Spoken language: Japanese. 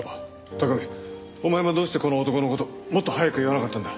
拓海お前もどうしてこの男の事をもっと早く言わなかったんだ？